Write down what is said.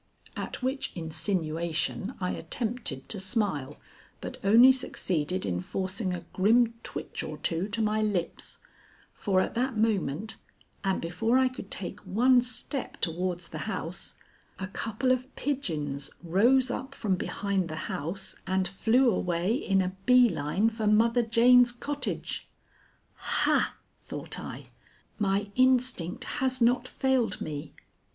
At which insinuation I attempted to smile, but only succeeded in forcing a grim twitch or two to my lips, for at that moment and before I could take one step towards the house, a couple of pigeons rose up from behind the house and flew away in a bee line for Mother Jane's cottage. "Ha!" thought I; "my instinct has not failed me.